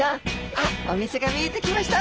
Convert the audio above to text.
あっお店が見えてきました！